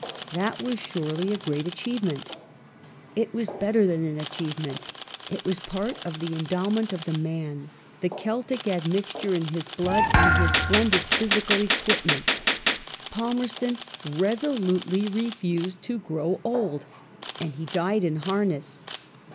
That was surely a great achievement. It was better than an achievement : it was part of the endowment of the man : the Celtic admixture in his blood and his splendid physical equipment. Palmerston resolutely refused to grow old, and he died in harness.